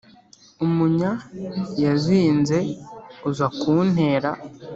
umunya yazinze aza kuntera.